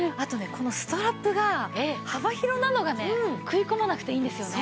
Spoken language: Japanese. このストラップが幅広なのがね食い込まなくていいんですよね。